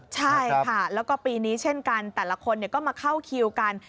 ใช่ค่ะแล้วก็ปีนี้เช่นกันแต่ละคนก็มาเข้าคิวกัน